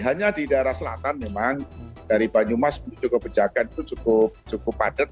hanya di daerah selatan memang dari banyumas jogobenjakan itu cukup padat